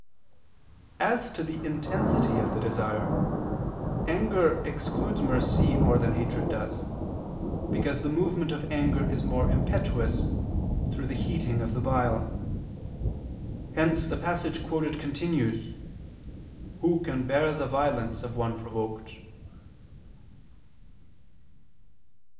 As to the intensity of the desire, anger excludes mercy more than hatred does; because the movement of anger is more impetuous, through the heating of the bile. Hence the passage quoted continues: "Who can bear the violence of one provoked?"